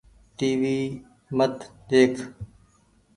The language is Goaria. ٽي وي مت ۮيک ۔